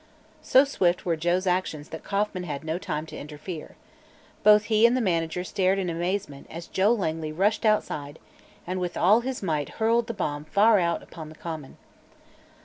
So swift were Joe's actions that Kauffman had no time to interfere. Both he and the manager stared in amazement as Joe Langley rushed outside and with all his might hurled the bomb far out upon the common.